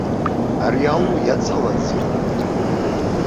Ари алу иаҵалазеи?